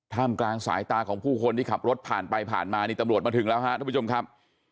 กลางสายตาของผู้คนที่ขับรถผ่านไปผ่านมานี่ตำรวจมาถึงแล้วฮะทุกผู้ชมครับ